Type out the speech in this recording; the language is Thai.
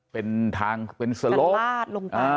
เป็นทางเป็นสโลก